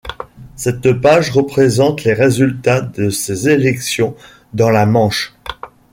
Cette page présente les résultats de ces élections dans la Manche.